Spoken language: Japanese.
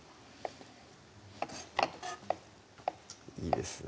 いいですね